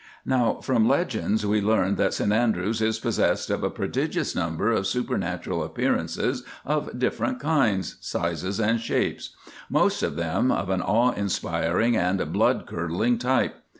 Now, from legends we learn that St Andrews is possessed of a prodigious number of supernatural appearances of different kinds, sizes, and shapes—most of them of an awe inspiring and blood curdling type.